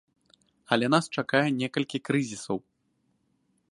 Але нас чакае некалькі крызісаў.